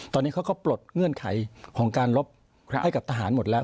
ตอนนี้เขาก็ปลดเงื่อนไขของการลบให้กับทหารหมดแล้ว